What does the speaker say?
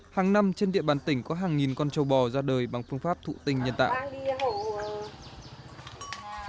hàng năm trên địa bàn tỉnh có hàng nghìn con châu bò ra đời bằng phương pháp thụ tinh nhân tạo